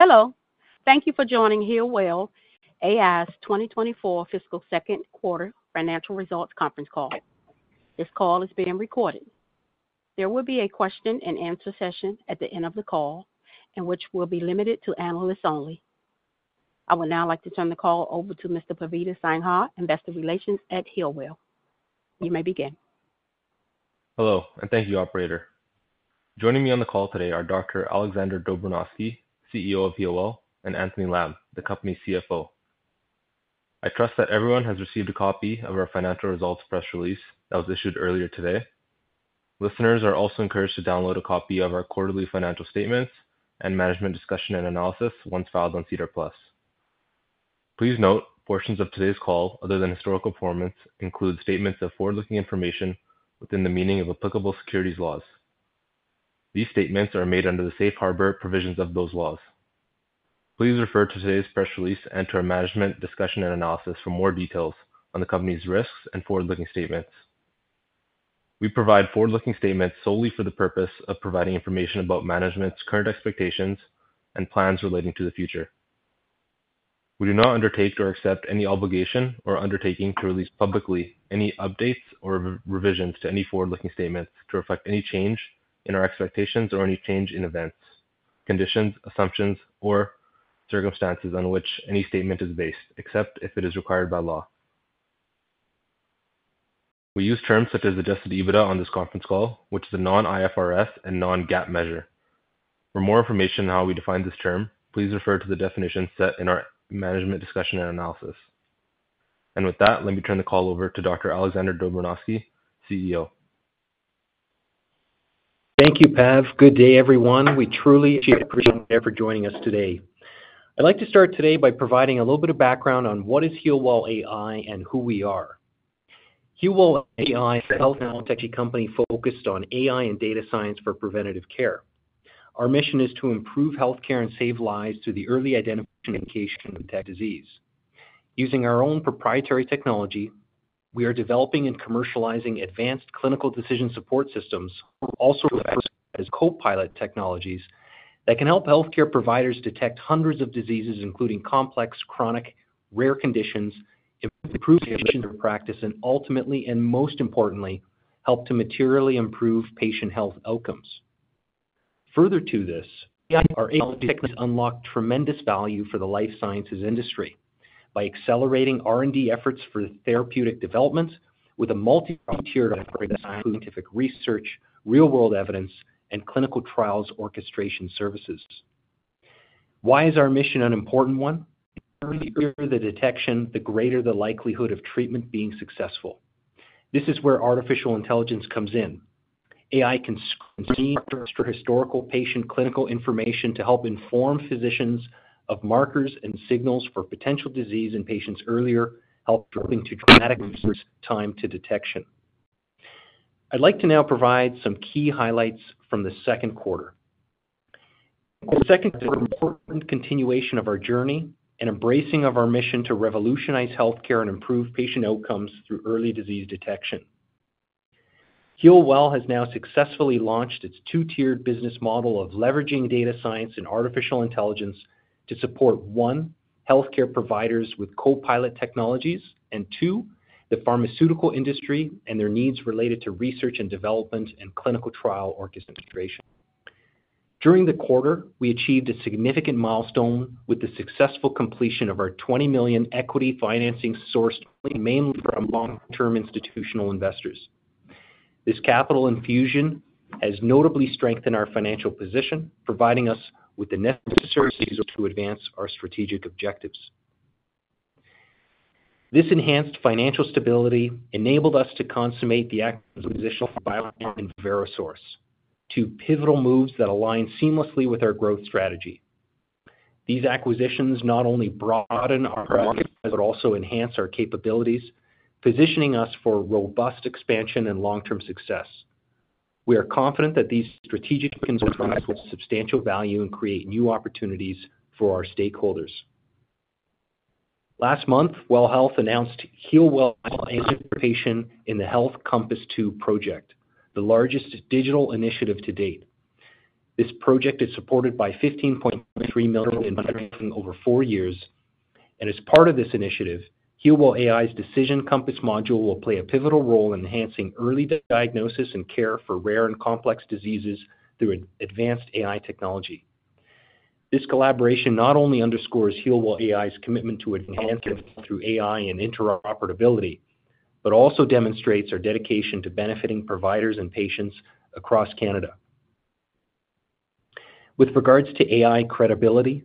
Hello, thank you for joining Healwell AI's 2024 fiscal second quarter financial results conference call. This call is being recorded. There will be a question and answer session at the end of the call, in which will be limited to analysts only. I would now like to turn the call over to Mr. Pardeep Sangha, Investor Relations at Healwell AI. You may begin. Hello, and thank you, operator. Joining me on the call today are Dr. Alexander Dobranowski, CEO of Healwell, and Anthony Lam, the company's CFO. I trust that everyone has received a copy of our financial results press release that was issued earlier today. Listeners are also encouraged to download a copy of our quarterly financial statements and management discussion and analysis once filed on SEDAR+. Please note, portions of today's call, other than historical performance, include statements of forward-looking information within the meaning of applicable securities laws. These statements are made under the safe harbor provisions of those laws. Please refer to today's press release and to our management discussion and analysis for more details on the company's risks and forward-looking statements. We provide forward-looking statements solely for the purpose of providing information about management's current expectations and plans relating to the future. We do not undertake or accept any obligation or undertaking to release publicly any updates or revisions to any forward-looking statements to reflect any change in our expectations or any change in events, conditions, assumptions, or circumstances on which any statement is based, except if it is required by law. We use terms such as Adjusted EBITDA on this conference call, which is a non-IFRS and non-GAAP measure. For more information on how we define this term, please refer to the definition set in our management discussion and analysis. With that, let me turn the call over to Dr. Alexander Dobranowski, CEO. Thank you, Pav. Good day, everyone. We truly appreciate you for joining us today. I'd like to start today by providing a little bit of background on what is Healwell AI and who we are. Healwell AI is a health technology company focused on AI and data science for preventative care. Our mission is to improve healthcare and save lives through the early identification and communication of disease. Using our own proprietary technology, we are developing and commercializing advanced clinical decision support systems, also referred to as Co-Pilot technologies, that can help healthcare providers detect hundreds of diseases, including complex, chronic, rare conditions, improve clinical practice, and ultimately, and most importantly, help to materially improve patient health outcomes. Further to this, AI are able to unlock tremendous value for the life sciences industry by accelerating R&D efforts for therapeutic developments with a multi-tiered scientific research, real-world evidence, and clinical trials orchestration services. Why is our mission an important one? The earlier the detection, the greater the likelihood of treatment being successful. This is where artificial intelligence comes in. AI can structure historical patient clinical information to help inform physicians of markers and signals for potential disease in patients earlier, help driving to dramatically reduce time to detection. I'd like to now provide some key highlights from the second quarter. The second is an important continuation of our journey and embracing of our mission to revolutionize healthcare and improve patient outcomes through early disease detection. Healwell has now successfully launched its two-tiered business model of leveraging data science and artificial intelligence to support, one, healthcare providers with Co-Pilot technologies, and two, the pharmaceutical industry and their needs related to research and development and clinical trial orchestration. During the quarter, we achieved a significant milestone with the successful completion of our 20 million equity financing source, mainly from long-term institutional investors. This capital infusion has notably strengthened our financial position, providing us with the necessary resources to advance our strategic objectives. This enhanced financial stability enabled us to consummate the acquisition of BioPharma and VeroSource, two pivotal moves that align seamlessly with our growth strategy. These acquisitions not only broaden our market, but also enhance our capabilities, positioning us for robust expansion and long-term success. We are confident that these strategic initiatives will provide substantial value and create new opportunities for our stakeholders. Last month, WELL Health announced Healwell participation in the Health Compass II project, the largest digital initiative to date. This project is supported by 15.3 million in funding over four years, and as part of this initiative, Healwell AI's Decision Compass module will play a pivotal role in enhancing early diagnosis and care for rare and complex diseases through an advanced AI technology. This collaboration not only underscores Healwell AI's commitment to enhancement through AI and interoperability, but also demonstrates our dedication to benefiting providers and patients across Canada. With regards to AI credibility,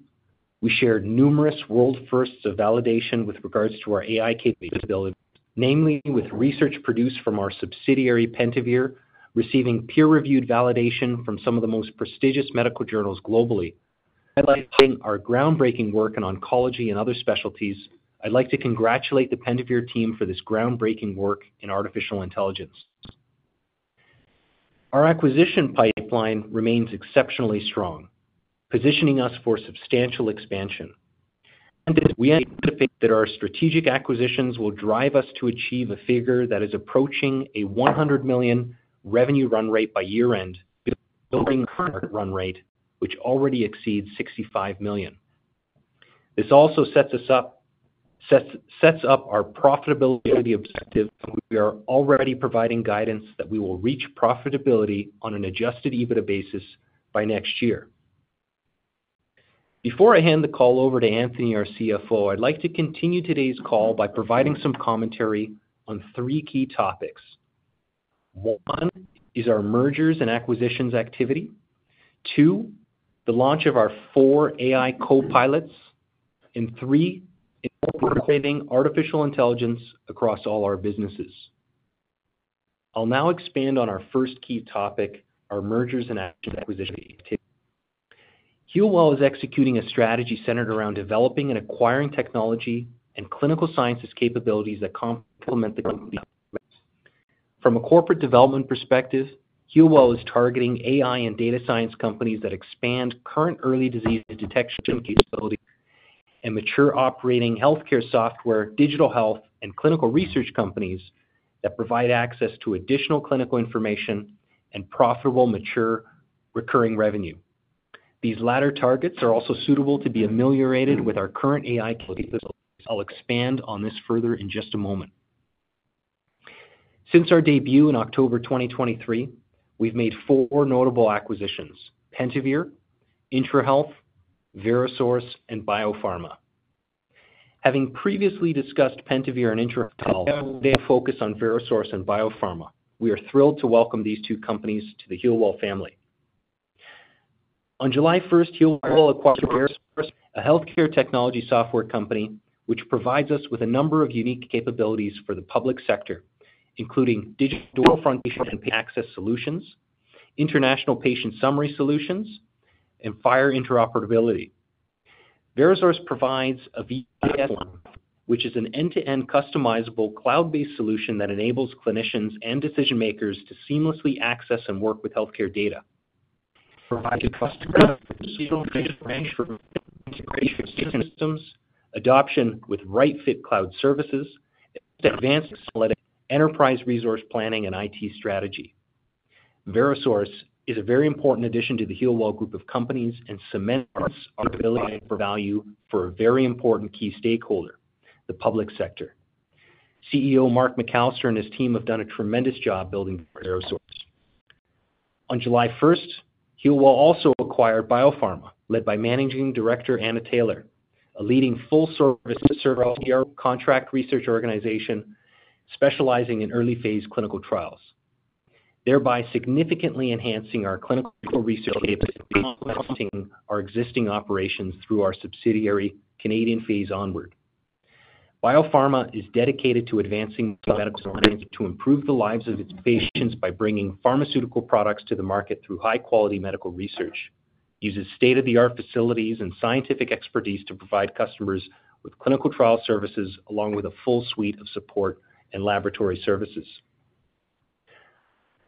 we shared numerous world firsts of validation with regards to our AI capabilities, namely with research produced from our subsidiary, Pentavere, receiving peer-reviewed validation from some of the most prestigious medical journals globally. Highlighting our groundbreaking work in oncology and other specialties, I'd like to congratulate the Pentavere team for this groundbreaking work in artificial intelligence. Our acquisition pipeline remains exceptionally strong, positioning us for substantial expansion. We anticipate that our strategic acquisitions will drive us to achieve a figure that is approaching a 100 million revenue run rate by year-end, building current run rate, which already exceeds 65 million. This also sets up our profitability objective, and we are already providing guidance that we will reach profitability on an Adjusted EBITDA basis by next year. Before I hand the call over to Anthony, our CFO, I'd like to continue today's call by providing some commentary on three key topics. One is our mergers and acquisitions activity. Two, the launch of our four AI Co-Pilots. And three, incorporating artificial intelligence across all our businesses. I'll now expand on our first key topic, our mergers and acquisitions activity. Healwell is executing a strategy centered around developing and acquiring technology and clinical sciences capabilities that complement the company. From a corporate development perspective, Healwell is targeting AI and data science companies that expand current early disease detection capabilities and mature operating healthcare software, Digital health, and clinical research companies that provide access to additional clinical information and profitable, mature, recurring revenue. These latter targets are also suitable to be ameliorated with our current AI capabilities. I'll expand on this further in just a moment. Since our debut in October 2023, we've made four notable acquisitions: Pentavere, IntraHealth, VeroSource, and BioPharma. Having previously discussed Pentavere and IntraHealth, today I'll focus on VeroSource and BioPharma. We are thrilled to welcome these two companies to the Healwell family. On July 1st, Healwell acquired VeroSource, a healthcare technology software company, which provides us with a number of unique capabilities for the public sector, including digital front and access solutions, international patient summary solutions, and FHIR interoperability. VeroSource provides a VSG, which is an end-to-end customizable cloud-based solution that enables clinicians and decision-makers to seamlessly access and work with healthcare data, providing customers with a range from integration systems, adoption with right-fit cloud services, advanced enterprise resource planning and IT strategy. VeroSource is a very important addition to the Healwell group of companies and cements our ability to provide value for a very important key stakeholder, the public sector. CEO Mark McAllister and his team have done a tremendous job building VeroSource. On July 1st, Healwell also acquired BioPharma, led by Managing Director Anna Taylor, a leading full-service CRO contract research organization specializing in early-phase clinical trials, thereby significantly enhancing our clinical research capabilities, enhancing our existing operations through our subsidiary, Canadian Phase Onward. BioPharma is dedicated to advancing medical science to improve the lives of its patients by bringing pharmaceutical products to the market through high-quality medical research, uses state-of-the-art facilities and scientific expertise to provide customers with clinical trial services, along with a full suite of support and laboratory services.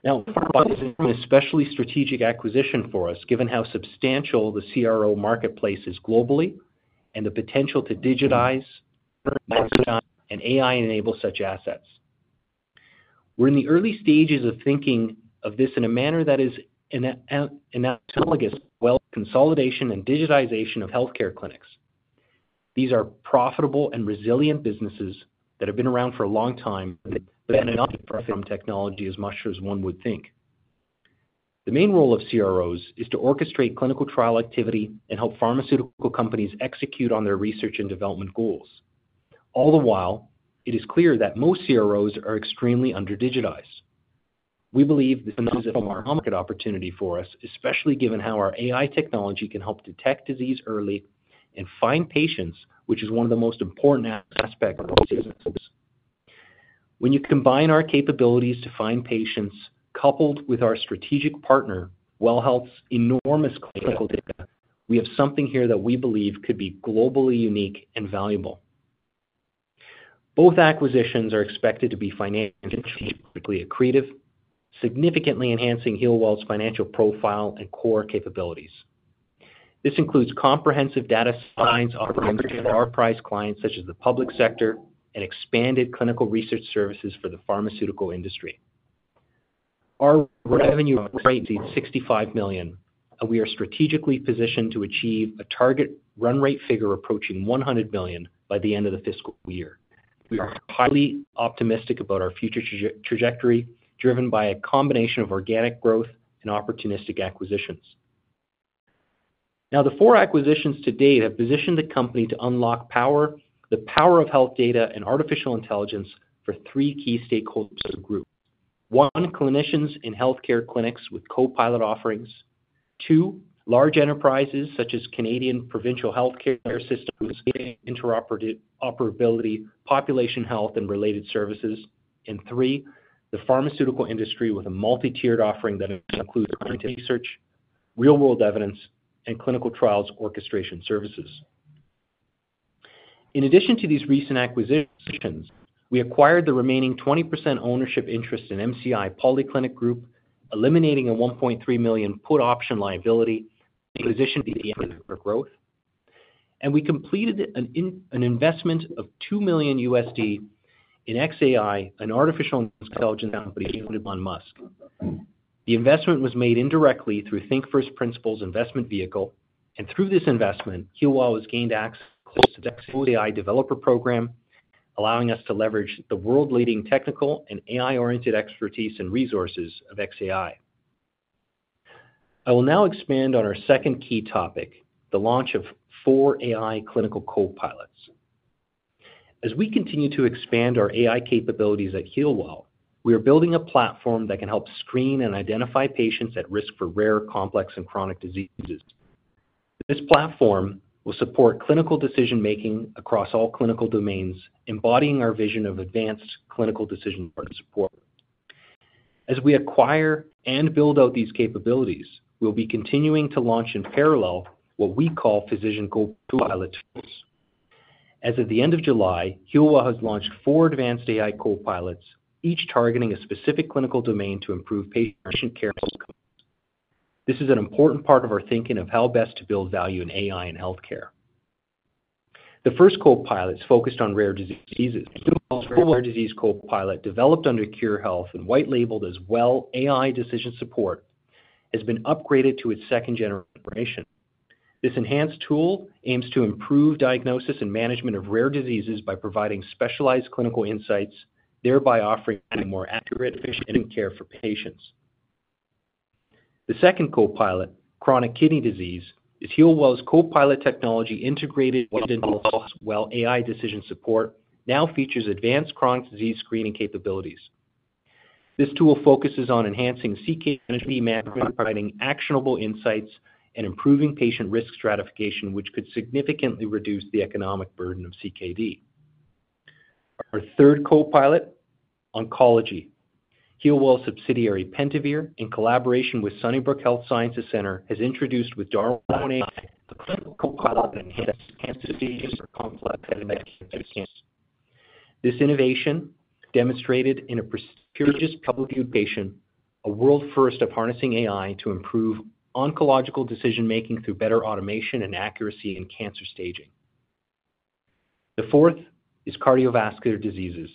Now, BioPharma is an especially strategic acquisition for us, given how substantial the CRO marketplace is globally and the potential to digitize and AI-enable such assets. We're in the early stages of thinking of this in a manner that is an analogous WELL consolidation and digitization of healthcare clinics. These are profitable and resilient businesses that have been around for a long time, but have not benefited from technology as much as one would think. The main role of CROs is to orchestrate clinical trial activity and help pharmaceutical companies execute on their research and development goals. All the while, it is clear that most CROs are extremely under-digitized. We believe this is a market opportunity for us, especially given how our AI technology can help detect disease early and find patients, which is one of the most important aspects of our business. When you combine our capabilities to find patients, coupled with our strategic partner, WELL Health's enormous clinical data, we have something here that we believe could be globally unique and valuable. Both acquisitions are expected to be financially, quickly accretive, significantly enhancing HEALWELL's financial profile and core capabilities. This includes comprehensive data science offerings for enterprise clients such as the public sector, and expanded clinical research services for the pharmaceutical industry. Our revenue 65 million, and we are strategically positioned to achieve a target run rate figure approaching 100 million by the end of the fiscal year. We are highly optimistic about our future trajectory, driven by a combination of organic growth and opportunistic acquisitions. Now, the 4 acquisitions to date have positioned the company to unlock power, the power of health data and artificial intelligence for 3 key stakeholder groups. 1, clinicians in healthcare clinics with Co-Pilot offerings. 2, large enterprises such as Canadian provincial healthcare system, with interoperability, population health and related services. And 3, the pharmaceutical industry with a multi-tiered offering that includes research, real-world evidence, and clinical trials orchestration services. In addition to these recent acquisitions, we acquired the remaining 20% ownership interest in MCI Polyclinic Group, eliminating a 1.3 million put option liability, positioned for growth. We completed an investment of $2 million in xAI, an artificial intelligence company founded by Elon Musk. The investment was made indirectly through Think 1st Principles investment vehicle, and through this investment, Healwell has gained access to the xAI developer program, allowing us to leverage the world-leading technical and AI-oriented expertise and resources of xAI. I will now expand on our second key topic, the launch of four AI clinical Co-Pilots. As we continue to expand our AI capabilities at Healwell, we are building a platform that can help screen and identify patients at risk for rare, complex, and chronic diseases. This platform will support clinical decision-making across all clinical domains, embodying our vision of advanced clinical decision support. As we acquire and build out these capabilities, we'll be continuing to launch in parallel what we call physician Co-Pilots. As of the end of July, Healwell has launched four advanced AI Co-Pilots, each targeting a specific clinical domain to improve patient care outcomes. This is an important part of our thinking of how best to build value in AI and healthcare. The first Co-Pilot is focused on rare diseases. Rare Disease Co-Pilot, developed under Khure Health and white labeled as WELL AI Decision Support, has been upgraded to its second generation. This enhanced tool aims to improve diagnosis and management of rare diseases by providing specialized clinical insights, thereby offering more accurate patient care for patients. The second Co-Pilot, Chronic Kidney Disease, is HEALWELL AI's Co-Pilot technology integrated with WELL AI Decision Support, now features advanced chronic disease screening capabilities. This tool focuses on enhancing CKD management, providing actionable insights, and improving patient risk stratification, which could significantly reduce the economic burden of CKD. Our third Co-Pilot, Oncology. HEALWELL AI's subsidiary, Pentavere, in collaboration with Sunnybrook Health Sciences Centre, has introduced with DARWEN AI, a clinical Co-Pilot that enhances cancer diagnosis or complex cancer. This innovation, demonstrated in a prestigious publication, a world first of harnessing AI to improve oncological decision-making through better automation and accuracy in cancer staging. The fourth is Cardiovascular Disease.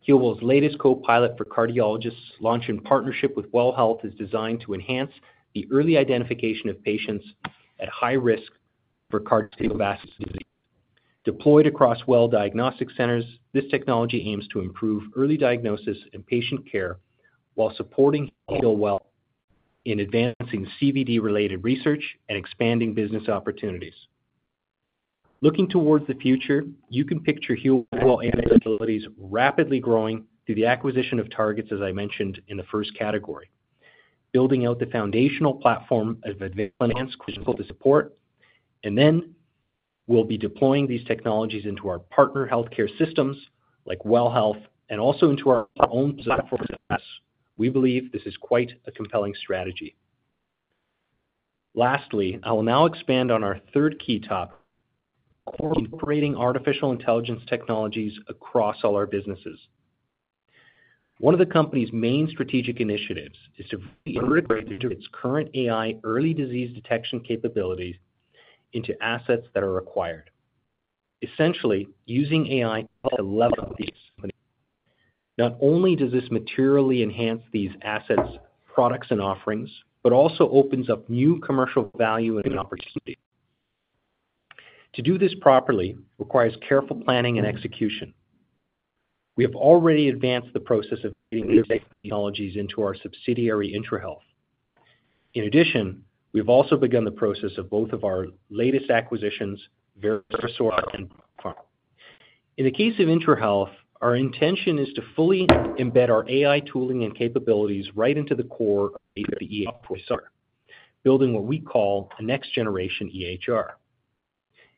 HEALWELL AI's latest Co-Pilot for cardiologists, launched in partnership with WELL Health, is designed to enhance the early identification of patients at high risk for cardiovascular disease. Deployed across WELL diagnostic centers, this technology aims to improve early diagnosis and patient care while supporting HEALWELL in advancing CVD-related research and expanding business opportunities. Looking towards the future, you can picture HEALWELL AI capabilities rapidly growing through the acquisition of targets, as I mentioned in the first category, building out the foundational platform of advanced clinical support, and then we'll be deploying these technologies into our partner healthcare systems like WELL Health and also into our own platform. We believe this is quite a compelling strategy. Lastly, I will now expand on our third key topic: incorporating artificial intelligence technologies across all our businesses. One of the company's main strategic initiatives is to integrate its current AI early disease detection capabilities into assets that are acquired, essentially using AI to level these. Not only does this materially enhance these assets, products, and offerings, but also opens up new commercial value and opportunity. To do this properly requires careful planning and execution. We have already advanced the process of bringing these technologies into our subsidiary, IntraHealth. In addition, we've also begun the process of both of our latest acquisitions, VeroSource and BioPharma. In the case of IntraHealth, our intention is to fully embed our AI tooling and capabilities right into the core of the EHR, building what we call a next generation EHR.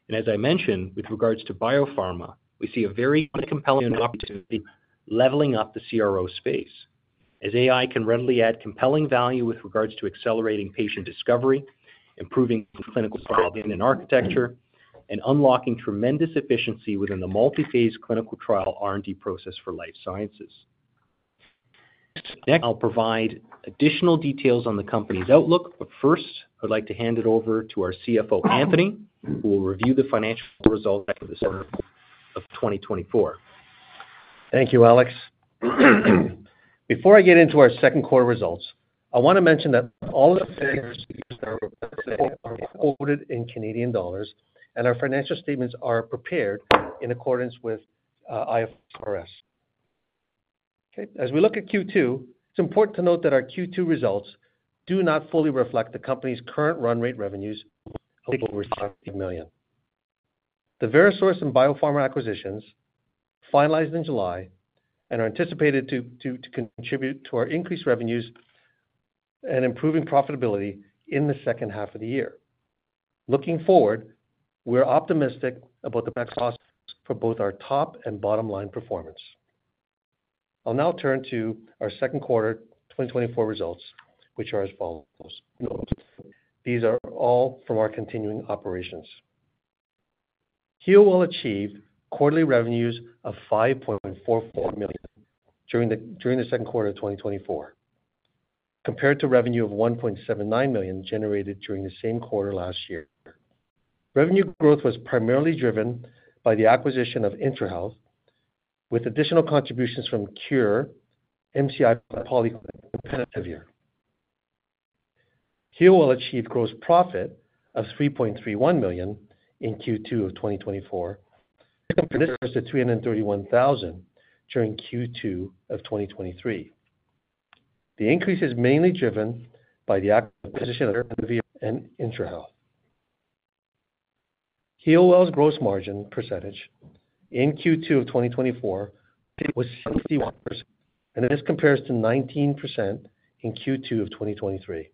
And as I mentioned, with regards to BioPharma, we see a very compelling opportunity leveling up the CRO space, as AI can readily add compelling value with regards to accelerating patient discovery, improving clinical trial infrastructure, and unlocking tremendous efficiency within the multi-phase clinical trial R&D process for life sciences. Next, I'll provide additional details on the company's outlook, but first, I'd like to hand it over to our CFO, Anthony, who will review the financial results for the second quarter of 2024. Thank you, Alex. Before I get into our second quarter results, I want to mention that all the figures are quoted in Canadian dollars, and our financial statements are prepared in accordance with IFRS. Okay. As we look at Q2, it's important to note that our Q2 results do not fully reflect the company's current run rate revenues, over 50 million. The VeroSource and BioPharma acquisitions finalized in July and are anticipated to contribute to our increased revenues and improving profitability in the second half of the year. Looking forward, we're optimistic about the best costs for both our top and bottom-line performance. I'll now turn to our second quarter 2024 results, which are as follows. These are all from our continuing operations. Healwell achieved quarterly revenues of 5.44 million during the second quarter of 2024, compared to revenue of 1.79 million generated during the same quarter last year. Revenue growth was primarily driven by the acquisition of IntraHealth, with additional contributions from Khure, MCI Poly and Pentavere. Healwell achieved gross profit of 3.31 million in Q2 of 2024, compared to 331 thousand during Q2 of 2023. The increase is mainly driven by the acquisition of Pentavere and IntraHealth. Healwell's gross margin percentage in Q2 of 2024 was 71%, and this compares to 19% in Q2 of 2023.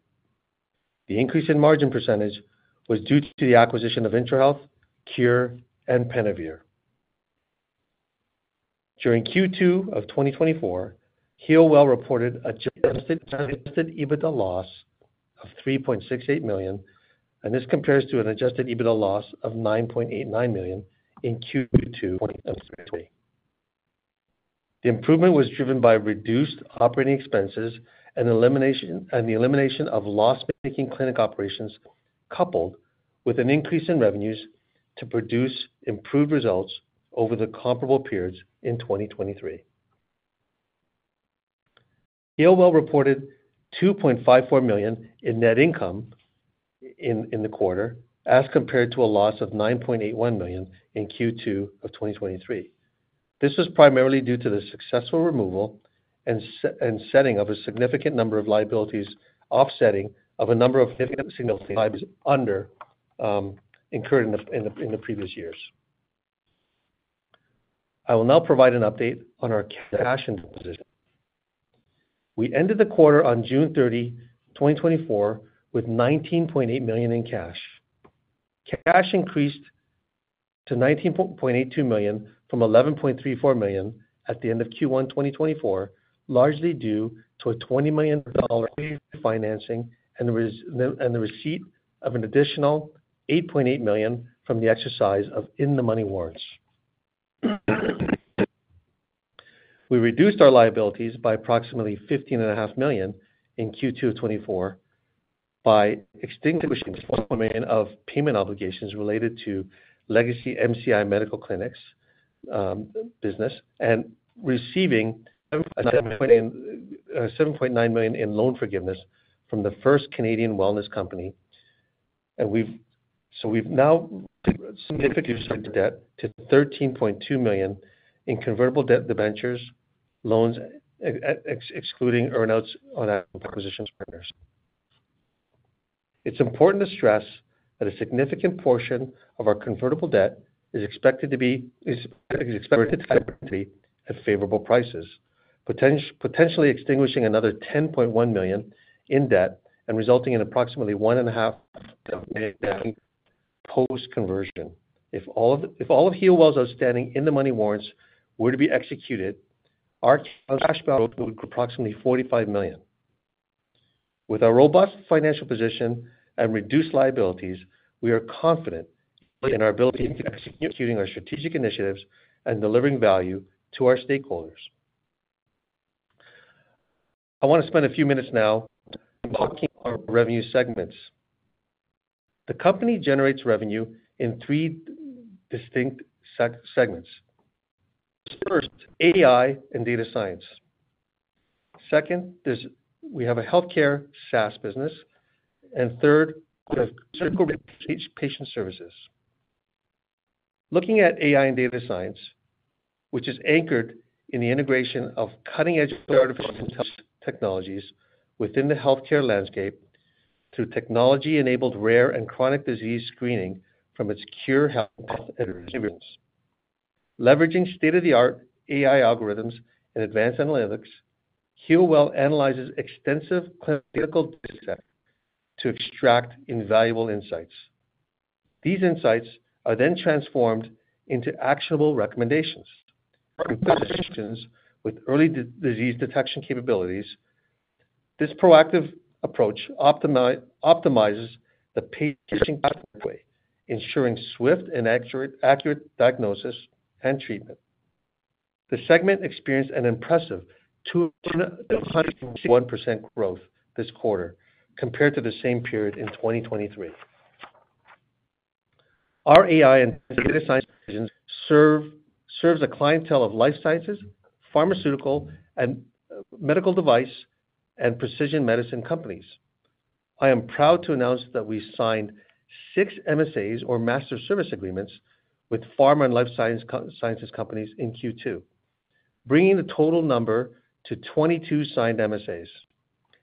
The increase in margin percentage was due to the acquisition of IntraHealth, Khure, and Pentavere. During Q2 of 2024, Healwell reported adjusted EBITDA loss of 3.68 million, and this compares to an adjusted EBITDA loss of 9.89 million in Q2 of 2023. The improvement was driven by reduced operating expenses and the elimination of loss-making clinic operations, coupled with an increase in revenues to produce improved results over the comparable periods in 2023. Healwell reported 2.54 million in net income in the quarter, as compared to a loss of 9.81 million in Q2 of 2023. This was primarily due to the successful removal and settling of a significant number of liabilities, offsetting of a number of significant settlements incurred in the previous years. I will now provide an update on our cash and position. We ended the quarter on June 30, 2024, with 19.8 million in cash. Cash increased to 19.82 million from 11.34 million at the end of Q1 2024, largely due to a 20 million dollar financing and the receipt of an additional 8.8 million from the exercise of in-the-money warrants. We reduced our liabilities by approximately 15.5 million in Q2 2024 by extinguishing of payment obligations related to legacy MCI Medical Clinics business and receiving 7.9 million in loan forgiveness from the First Canadian Wellness Company. So we've now significantly reduced debt to 13.2 million in convertible debt debentures, loans, excluding earn-outs on our acquisitions partners. It's important to stress that a significant portion of our convertible debt is expected to be at favorable prices, potentially extinguishing another 10.1 million in debt and resulting in approximately 1.5 million post-conversion. If all of Healwell's outstanding in-the-money warrants were to be executed, our cash balance would grow to approximately 45 million. With our robust financial position and reduced liabilities, we are confident in our ability in executing our strategic initiatives and delivering value to our stakeholders. I want to spend a few minutes now talking about our revenue segments. The company generates revenue in three distinct segments. First, AI and data science. Second, we have a healthcare SaaS business, and third, we have clinical research patient services. Looking at AI and data science, which is anchored in the integration of cutting-edge artificial intelligence technologies within the healthcare landscape through technology-enabled rare and chronic disease screening from its Khure Health and Pentavere. Leveraging state-of-the-art AI algorithms and advanced analytics, Healwell analyzes extensive clinical data to extract invaluable insights. These insights are then transformed into actionable recommendations. With early disease detection capabilities, this proactive approach optimizes the patient pathway, ensuring swift and accurate diagnosis and treatment. The segment experienced an impressive 261% growth this quarter compared to the same period in 2023. Our AI and data science serves a clientele of life sciences, pharmaceutical, medical device, and precision medicine companies. I am proud to announce that we signed 6 MSAs, or master service agreements, with pharma and life sciences companies in Q2, bringing the total number to 22 signed MSAs,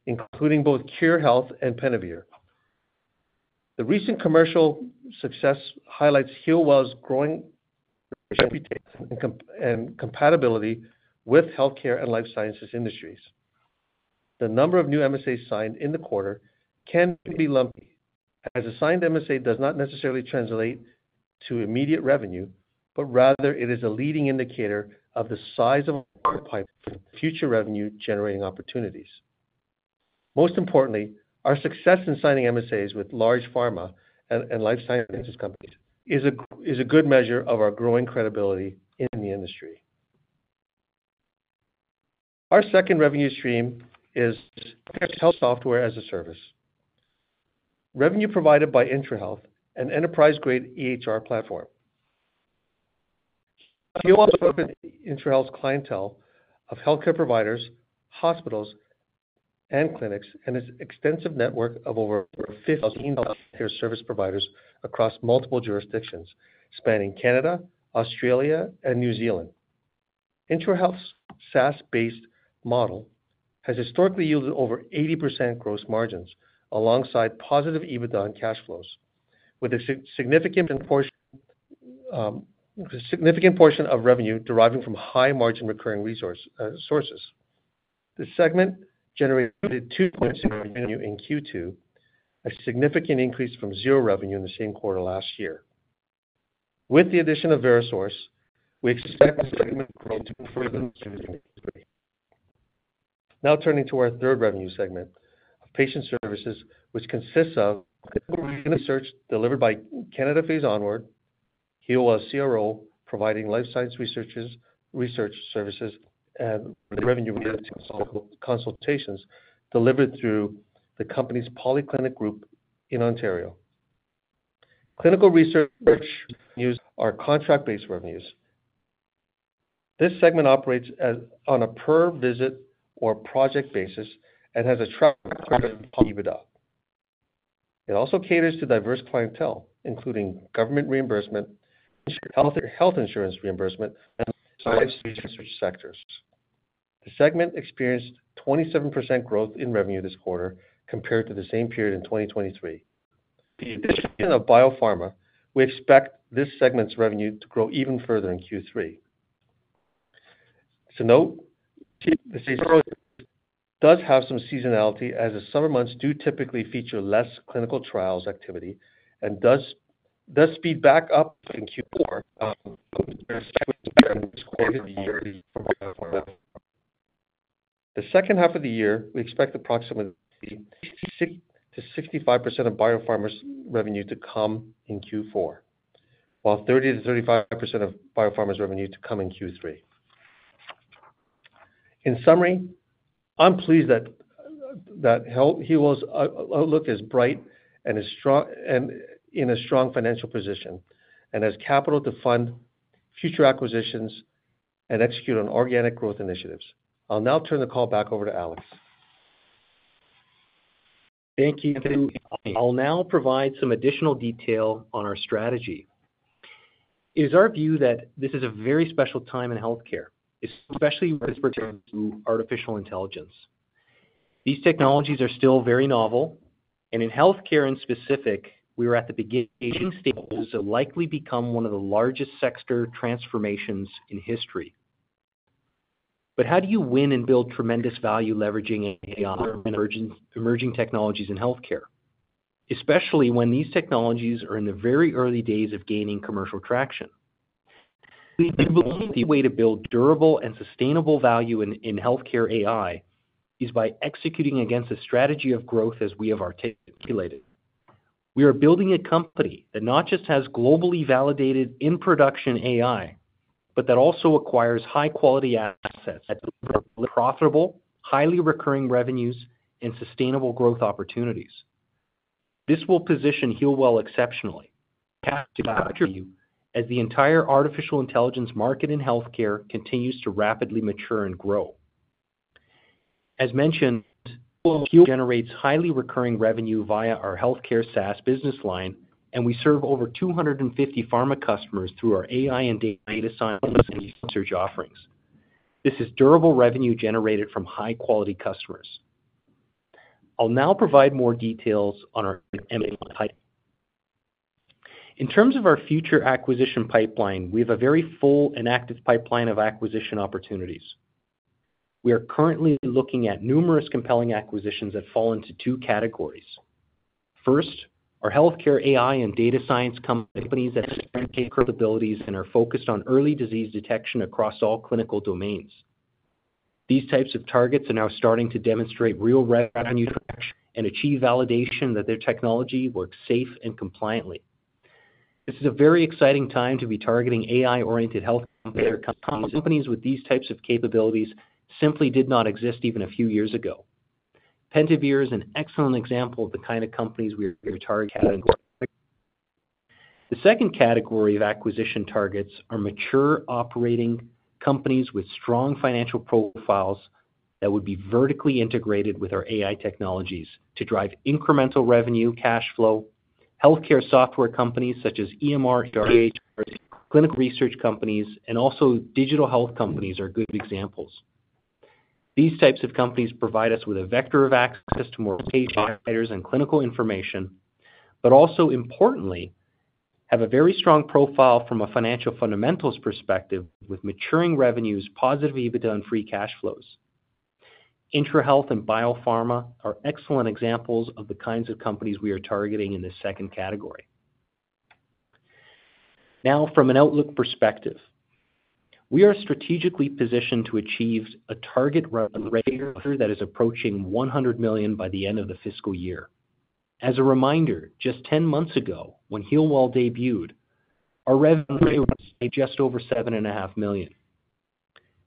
including both Khure Health and Pentavere. The recent commercial success highlights Healwell's growing reputation and compatibility with healthcare and life sciences industries. The number of new MSAs signed in the quarter can be lumpy, as a signed MSA does not necessarily translate to immediate revenue, but rather it is a leading indicator of the size of our pipeline for future revenue-generating opportunities. Most importantly, our success in signing MSAs with large pharma and life sciences companies is a good measure of our growing credibility in the industry. Our second revenue stream is health software as a service. Revenue provided by IntraHealth, an enterprise-grade EHR platform. IntraHealth's clientele of healthcare providers, hospitals, and clinics, and its extensive network of over 15,000 healthcare service providers across multiple jurisdictions, spanning Canada, Australia, and New Zealand. IntraHealth's SaaS-based model has historically yielded over 80% gross margins alongside positive EBITDA and cash flows, with a significant portion of revenue deriving from high-margin recurring sources. This segment generated 2.1 million revenue in Q2, a significant increase from 0 revenue in the same quarter last year. With the addition of VeroSource, we expect the segment to grow to further Q3. Now turning to our third revenue segment, patient services, which consists of research delivered by Canadian Phase Onward, Healwell CRO, providing life science research services, and the revenue consultations delivered through the company's Polyclinic group in Ontario. Clinical research is our contract-based revenues. This segment operates as on a per visit or project basis and has a track record of EBITDA. It also caters to diverse clientele, including government reimbursement, health, health insurance reimbursement, and research sectors. The segment experienced 27% growth in revenue this quarter compared to the same period in 2023. The addition of BioPharma, we expect this segment's revenue to grow even further in Q3. To note, does have some seasonality as the summer months do typically feature less clinical trials activity and does speed back up in Q4. The second half of the year, we expect approximately 60%-65% of BioPharma's revenue to come in Q4, while 30%-35% of BioPharma's revenue to come in Q3. In summary, I'm pleased that Healwell's outlook is bright and is strong, and in a strong financial position, and has capital to fund future acquisitions and execute on organic growth initiatives. I'll now turn the call back over to Alex. Thank you. I'll now provide some additional detail on our strategy. It is our view that this is a very special time in healthcare, especially with regard to artificial intelligence. These technologies are still very novel, and in healthcare in specific, we are at the beginning stages of likely become one of the largest sector transformations in history. But how do you win and build tremendous value leveraging AI and emerging, emerging technologies in healthcare, especially when these technologies are in the very early days of gaining commercial traction? We believe the only way to build durable and sustainable value in, in healthcare AI is by executing against a strategy of growth as we have articulated. We are building a company that not just has globally validated in production AI, but that also acquires high-quality assets, profitable, highly recurring revenues and sustainable growth opportunities. This will position Healwell exceptionally to capture value as the entire artificial intelligence market in healthcare continues to rapidly mature and grow. As mentioned, Healwell generates highly recurring revenue via our healthcare SaaS business line, and we serve over 250 pharma customers through our AI and data science research offerings. This is durable revenue generated from high-quality customers. I'll now provide more details on our M&A pipeline. In terms of our future acquisition pipeline, we have a very full and active pipeline of acquisition opportunities. We are currently looking at numerous compelling acquisitions that fall into two categories. First, our healthcare AI and data science companies that have capabilities and are focused on early disease detection across all clinical domains. These types of targets are now starting to demonstrate real revenue traction and achieve validation that their technology works safe and compliantly. This is a very exciting time to be targeting AI-oriented healthcare companies. Companies with these types of capabilities simply did not exist even a few years ago. Pentavere is an excellent example of the kind of companies we are targeting. The second category of acquisition targets are mature operating companies with strong financial profiles that would be vertically integrated with our AI technologies to drive incremental revenue, cash flow, healthcare software companies such as EMR, EHR, clinical research companies, and also Digital health companies are good examples. These types of companies provide us with a vector of access to more patient providers and clinical information, but also importantly, have a very strong profile from a financial fundamentals perspective, with maturing revenues, positive EBITDA, and free cash flows. IntraHealth and BioPharma are excellent examples of the kinds of companies we are targeting in this second category. Now, from an outlook perspective, we are strategically positioned to achieve a target revenue that is approaching 100 million by the end of the fiscal year. As a reminder, just 10 months ago, when Healwell debuted, our revenue was just over 7.5 million.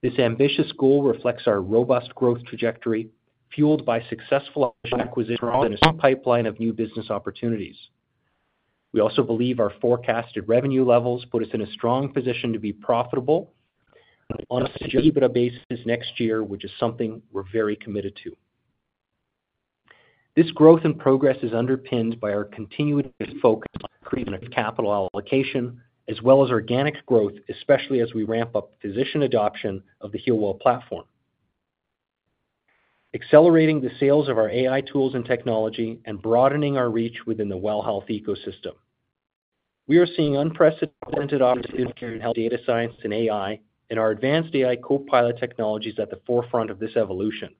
This ambitious goal reflects our robust growth trajectory, fueled by successful acquisitions and a strong pipeline of new business opportunities. We also believe our forecasted revenue levels put us in a strong position to be profitable on an EBITDA basis next year, which is something we're very committed to. This growth and progress is underpinned by our continued focus on creative capital allocation as well as organic growth, especially as we ramp up physician adoption of the Healwell platform, accelerating the sales of our AI tools and technology, and broadening our reach within the WELL Health ecosystem. We are seeing unprecedented opportunities in healthcare and health data science and AI, and our advanced AI Co-Pilot technology is at the forefront of this evolution.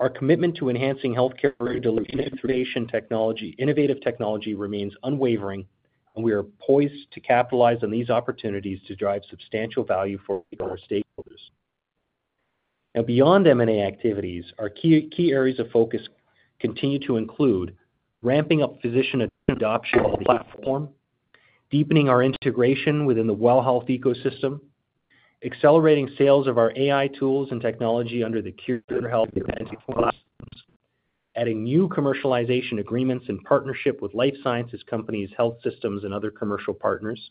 Our commitment to enhancing healthcare delivery, innovative technology remains unwavering, and we are poised to capitalize on these opportunities to drive substantial value for our stakeholders. Now, beyond M&A activities, our key, key areas of focus continue to include ramping up physician adoption of the platform, deepening our integration within the WELL Health ecosystem, accelerating sales of our AI tools and technology under the Khure Health and platforms, adding new commercialization agreements in partnership with life sciences companies, health systems, and other commercial partners,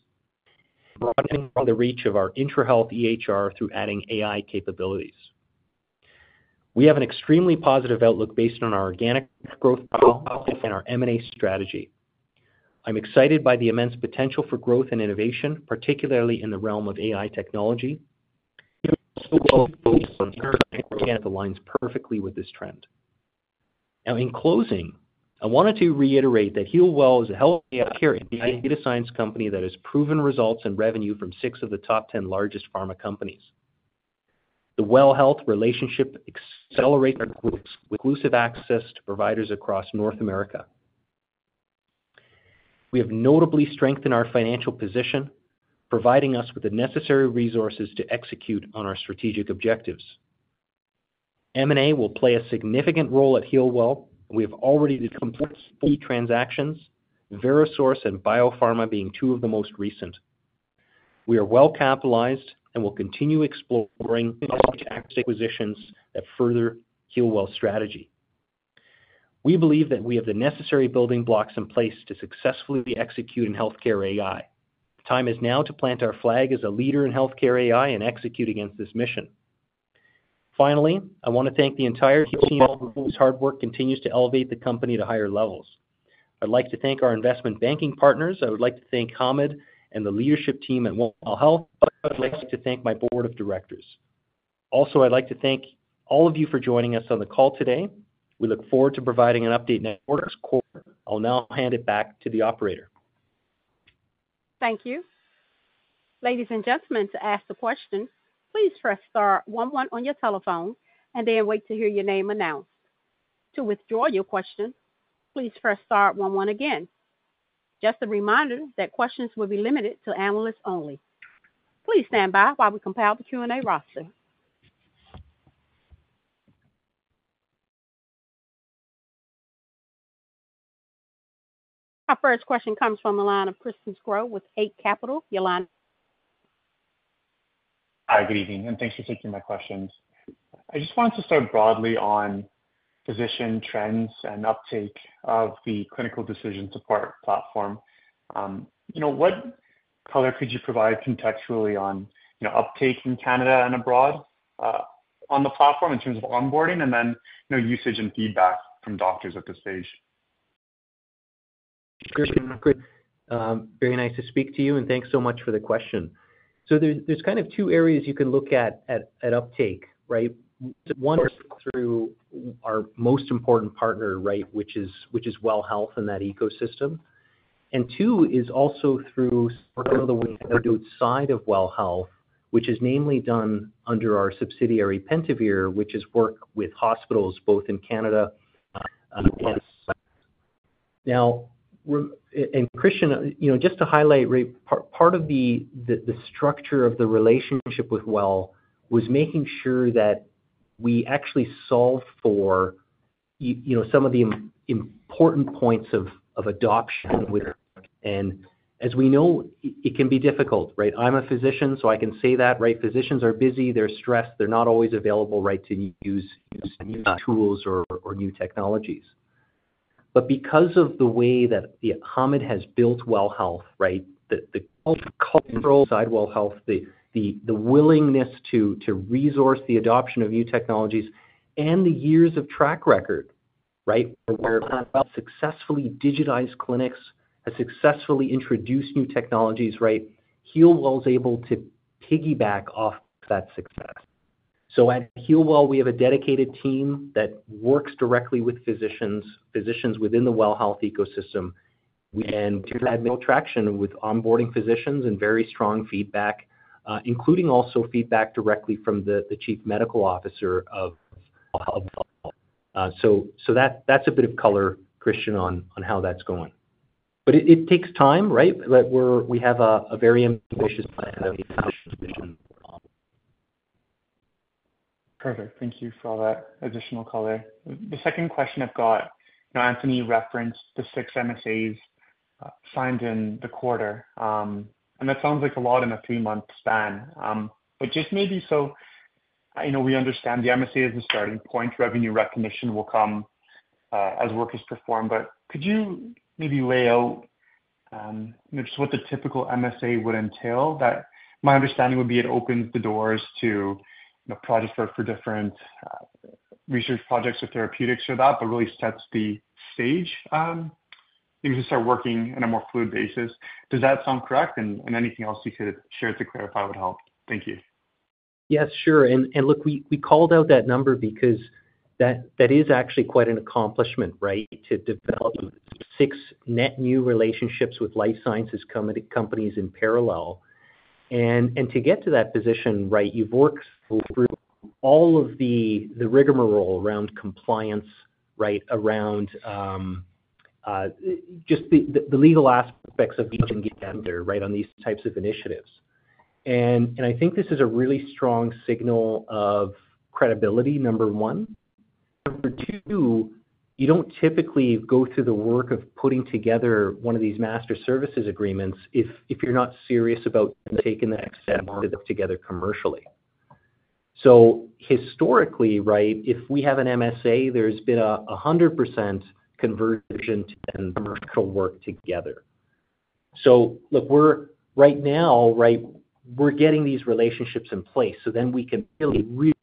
broadening the reach of our IntraHealth EHR through adding AI capabilities. We have an extremely positive outlook based on our organic growth and our M&A strategy. I'm excited by the immense potential for growth and innovation, particularly in the realm of AI technology. Healwell aligns perfectly with this trend. Now, in closing, I wanted to reiterate that Healwell is a healthcare AI data science company that has proven results in revenue from 6 of the top 10 largest pharma companies. The WELL Health relationship accelerates our exclusive access to providers across North America. We have notably strengthened our financial position, providing us with the necessary resources to execute on our strategic objectives. M&A will play a significant role at Healwell. We have already completed 4 transactions, VeroSource and BioPharma being 2 of the most recent. We are well capitalized and will continue exploring acquisitions that further Healwell's strategy. We believe that we have the necessary building blocks in place to successfully execute in healthcare AI. Time is now to plant our flag as a leader in healthcare AI and execute against this mission. Finally, I want to thank the entire Healwell team, whose hard work continues to elevate the company to higher levels. I'd like to thank our investment banking partners. I would like to thank Hamid and the leadership team at WELL Health. I'd like to thank my board of directors. Also, I'd like to thank all of you for joining us on the call today. We look forward to providing an update next quarter. I'll now hand it back to the operator. Thank you. Ladies and gentlemen, to ask the question, please press star one one on your telephone and then wait to hear your name announced. To withdraw your question, please press star one one again. Just a reminder that questions will be limited to analysts only. Please stand by while we compile the Q&A roster. Our first question comes from the line of Christian Sgro with Eight Capital. your line? Hi, good evening, and thanks for taking my questions. I just wanted to start broadly on physician trends and uptake of the clinical decision support platform. You know, what color could you provide contextually on, you know, uptake in Canada and abroad, on the platform in terms of onboarding and then, you know, usage and feedback from doctors at this stage? Very nice to speak to you, and thanks so much for the question. So there, there's kind of two areas you can look at, at, at uptake, right? One is through our most important partner, right, which is, which is WELL Health and that ecosystem. And two is also through the outside of WELL Health, which is mainly done under our subsidiary, Pentavere, which is work with hospitals both in Canada, and U.S. Now, we're and Christian, you know, just to highlight, part of the, the structure of the relationship with WELL was making sure that we actually solve for you know, some of the important points of, of adoption. And as we know, it can be difficult, right? I'm a physician, so I can say that, right? Physicians are busy, they're stressed, they're not always available, right, to use new tools or new technologies. But because of the way that Hamid has built WELL Health, right, the cultural side of WELL Health, the willingness to resource the adoption of new technologies and the years of track record, right? Successfully digitized clinics, has successfully introduced new technologies, right? Healwell is able to piggyback off that success. So at Healwell, we have a dedicated team that works directly with physicians within the WELL Health ecosystem, and had no traction with onboarding physicians and very strong feedback, including also feedback directly from the Chief Medical Officer of WELL Health. So that's a bit of color, Christian, on how that's going. But it takes time, right? Like, we have a very ambitious plan and an ambitious vision. Perfect. Thank you for all that additional color. The second question I've got, now Anthony referenced the 6 MSAs signed in the quarter. And that sounds like a lot in a 3-month span. But just maybe so, I know we understand the MSA is the starting point. Revenue recognition will come as work is performed. But could you maybe lay out just what the typical MSA would entail? That my understanding would be it opens the doors to, you know, projects for different research projects or therapeutics or that, but really sets the stage, you can start working on a more fluid basis. Does that sound correct? And anything else you could share to clarify would help. Thank you. Yes, sure. And look, we called out that number because that is actually quite an accomplishment, right? To develop six net new relationships with life sciences companies in parallel. And to get to that position, right, you've worked through all of the rigmarole around compliance, right? Around just the legal aspects of each vendor, right, on these types of initiatives. And I think this is a really strong signal of credibility, number one. Number two, you don't typically go through the work of putting together one of these master services agreements if you're not serious about taking the next step to put it together commercially. So historically, right, if we have an MSA, there's been a 100% conversion to commercial work together. So look, we're right now, right, we're getting these relationships in place, so then we can really, really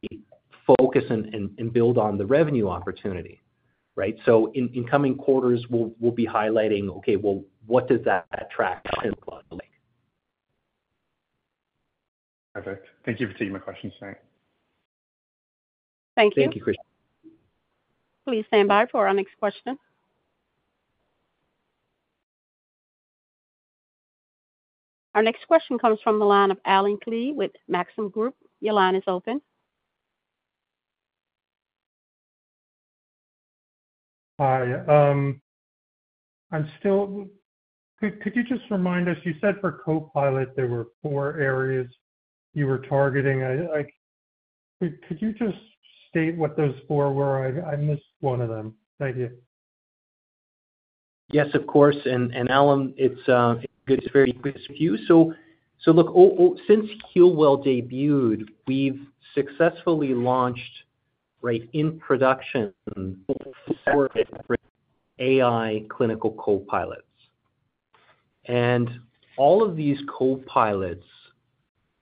focus and build on the revenue opportunity, right? So in coming quarters, we'll be highlighting, okay, well, what does that track look like? Perfect. Thank you for taking my questions today. Thank you, Christian. Please stand by for our next question. Our next question comes from the line of Allen Klee with Maxim Group. Your line is open. Hi. Could you just remind us, you said for Co-Pilot, there were four areas you were targeting. Could you just state what those four were? I missed one of them. Thank you. Yes, of course. And Alan, it's good, it's very good to see you. So look, since Healwell debuted, we've successfully launched, right, in production, for AI clinical Co-Pilots. And all of these Co-Pilots,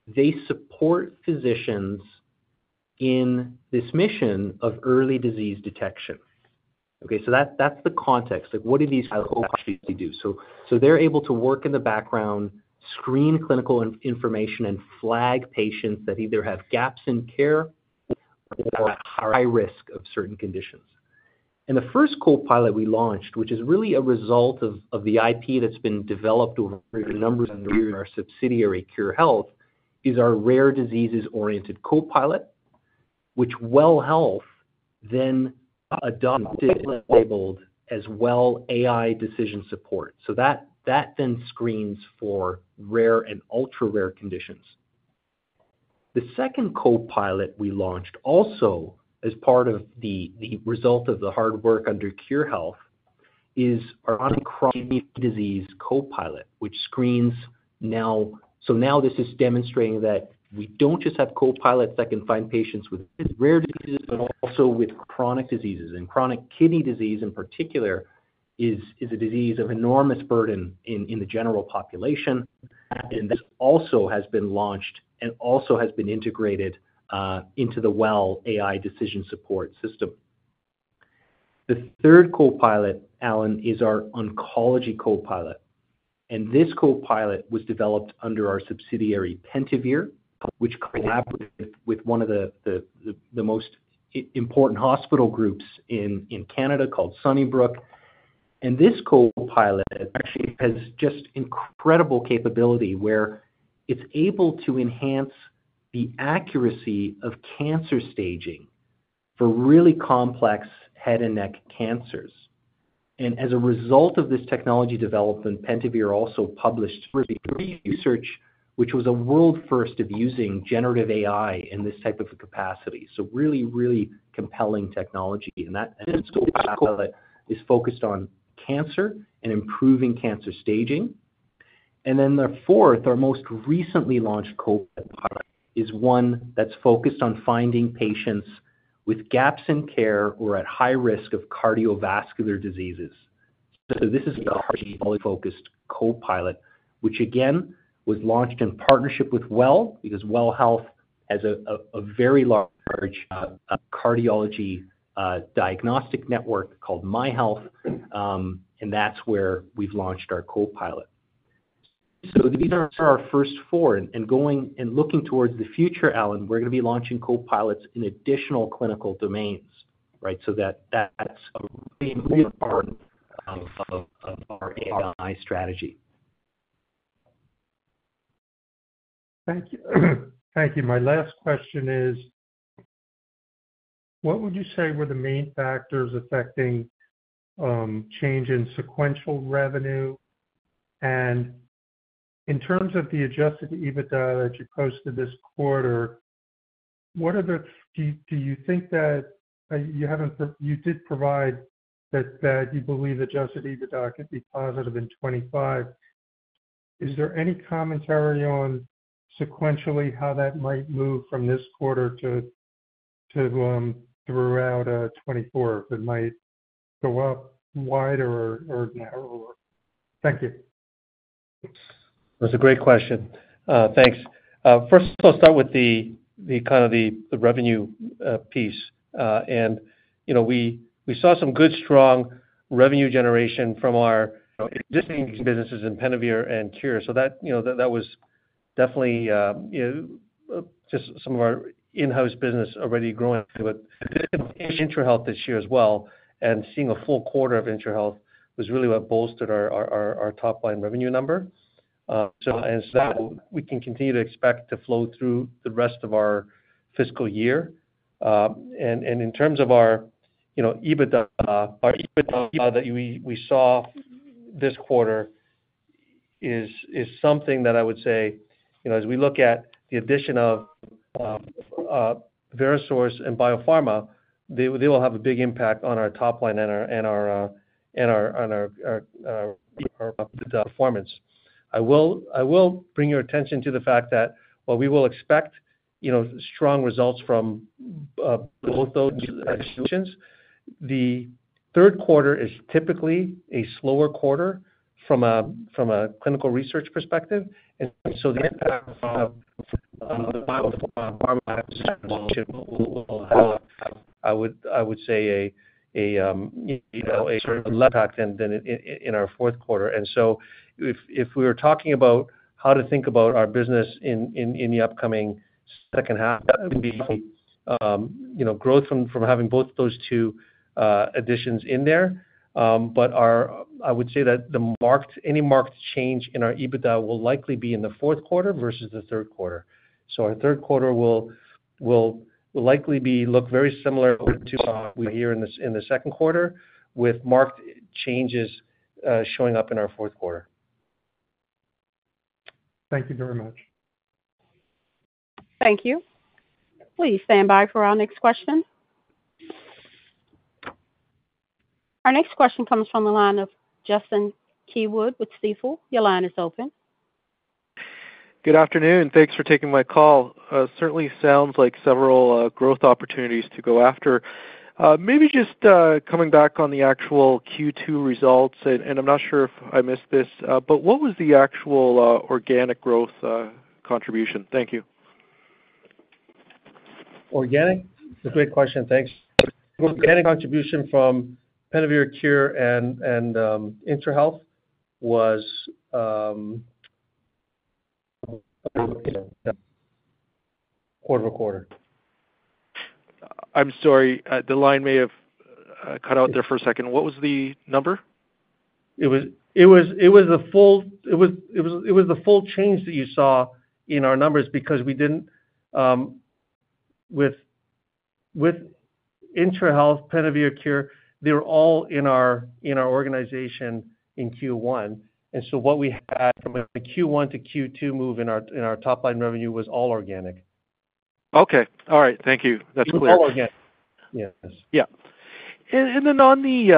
they support physicians in this mission of early disease detection. Okay, so that's the context, like, what do these Co-Pilots actually do? So they're able to work in the background, screen clinical information, and flag patients that either have gaps in care or are at high risk of certain conditions. And the first Co-Pilot we launched, which is really a result of the IP that's been developed over a number of years in our subsidiary, Khure Health, is our rare diseases-oriented Co-Pilot, which WELL Health then adopted, labeled as WELL AI Decision Support. So that then screens for rare and ultra-rare conditions. The second Co-Pilot we launched, also as part of the result of the hard work under Khure Health, is our Chronic Kidney Disease Co-Pilot, which screens now—So now this is demonstrating that we don't just have Co-Pilots that can find patients with rare diseases, but also with chronic diseases. Chronic kidney disease, in particular, is a disease of enormous burden in the general population, and this also has been launched and also has been integrated into the WELL AI Decision Support system. The third Co-Pilot, Alan, is our Oncology Co-Pilot, and this Co-Pilot was developed under our subsidiary, Pentavere, which collaborated with one of the most important hospital groups in Canada called Sunnybrook. And this Co-Pilot actually has just incredible capability, where it's able to enhance the accuracy of cancer staging for really complex head and neck cancers. As a result of this technology development, Pentavere also published research, which was a world first of using generative AI in this type of a capacity. So really, really compelling technology. And that is focused on cancer and improving cancer staging. And then the fourth, our most recently launched Co-Pilot, is one that's focused on finding patients with gaps in care or at high risk of cardiovascular diseases. So this is a cardiology-focused Co-Pilot, which again, was launched in partnership with WELL, because WELL Health has a very large cardiology diagnostic network called MyHealth, and that's where we've launched our Co-Pilot. So these are our first four, and going and looking towards the future, Alan, we're going to be launching Co-Pilots in additional clinical domains, right? So that, that's a really important of our AI strategy.... Thank you. Thank you. My last question is, what would you say were the main factors affecting change in sequential revenue? And in terms of the Adjusted EBITDA that you posted this quarter, what are the - do you think that you haven't - you did provide that you believe Adjusted EBITDA could be positive in 2025. Is there any commentary on sequentially how that might move from this quarter to throughout 2024, if it might go up wider or narrower? Thank you. That's a great question. Thanks. First, I'll start with the kind of revenue piece. And, you know, we saw some good, strong revenue generation from our existing businesses in Pentavere and Khure. So that, you know, that was definitely, you know, just some of our in-house business already growing with IntraHealth this year as well, and seeing a full quarter of IntraHealth was really what bolstered our top line revenue number. So that, we can continue to expect to flow through the rest of our fiscal year. In terms of our, you know, EBITDA, our EBITDA that we saw this quarter is something that I would say, you know, as we look at the addition of VeroSource and BioPharma, they will have a big impact on our top line and our EBITDA performance. I will bring your attention to the fact that while we will expect, you know, strong results from both those institutions, the third quarter is typically a slower quarter from a clinical research perspective. And so the impact from the BioPharma will, I would say, you know, a certain impact than in our fourth quarter. And so if we were talking about how to think about our business in the upcoming second half, you know, growth from having both those two additions in there. But I would say that any marked change in our EBITDA will likely be in the fourth quarter versus the third quarter. So our third quarter will likely look very similar to what we had in the second quarter, with marked changes showing up in our fourth quarter. Thank you very much. Thank you. Please stand by for our next question. Our next question comes from the line of Justin Keywood with Stifel. Your line is open. Good afternoon. Thanks for taking my call. Certainly sounds like several growth opportunities to go after. Maybe just coming back on the actual Q2 results, and I'm not sure if I missed this, but what was the actual organic growth contribution? Thank you. Organic? That's a great question. Thanks. Organic contribution from Pentavere, Khure, and IntraHealth was quarter-over-quarter. I'm sorry, the line may have cut out there for a second. What was the number? It was a full change that you saw in our numbers because we didn't with IntraHealth, Pentavere, Khure, they were all in our organization in Q1. And so what we had from a Q1 to Q2 move in our top line revenue was all organic. Okay. All right. Thank you. That's clear. All organic. Yes. Yeah. And then on the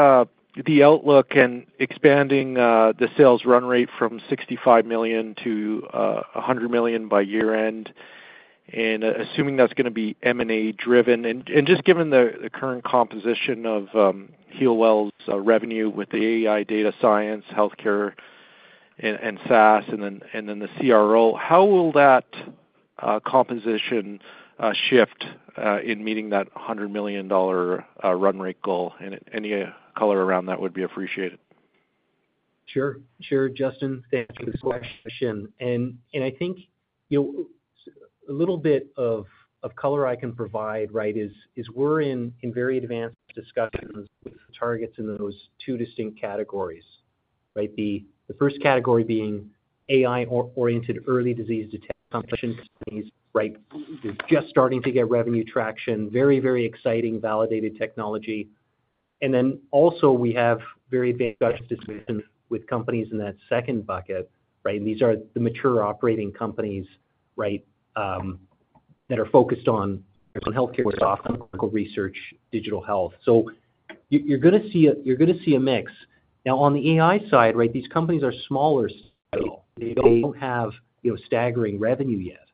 outlook and expanding the sales run rate from 65 million to 100 million by year end, and assuming that's gonna be M&A driven, and just given the current composition of Healwell's revenue with the AI data science, healthcare, and SaaS, and then the CRO, how will that composition shift in meeting that 100 million-dollar run rate goal? And any color around that would be appreciated. Sure. Sure, Justin, thank you for the question. And I think, you know, a little bit of color I can provide, right, is we're in very advanced discussions with targets in those two distinct categories, right? The first category being AI-oriented, early disease detection companies, right? They're just starting to get revenue traction. Very, very exciting, validated technology. And then also, we have very big discussion with companies in that second bucket, right? These are the mature operating companies, right, that are focused on healthcare, clinical research, digital health. So you're gonna see a mix. Now, on the AI side, right, these companies are smaller. They don't have, you know, staggering revenue yet.